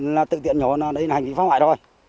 là tự tiện nhổ là đây là hành vi phá hoại rồi